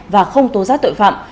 và không tố giác tội phạm